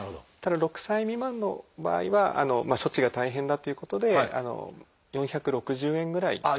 ただ６歳未満の場合は処置が大変だということで４６０円ぐらい。